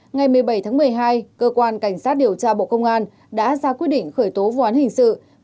ngày một mươi bảy tháng một mươi hai cơ quan cảnh sát điều tra bộ công an đã ra quyết định khởi tố vụ án hình sự